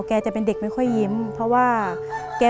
เปลี่ยนเพลงเพลงเก่งของคุณและข้ามผิดได้๑คำ